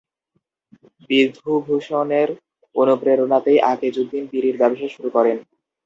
বিধুভূষণের অনুপ্রেরণাতেই আকিজউদ্দীন বিড়ির ব্যবসা শুরু করেন।